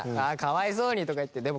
「ああかわいそうに」とか言って。